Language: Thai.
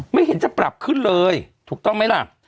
ไม่เห็นจะปรับขึ้นเลยถูกต้องไหมล่ะ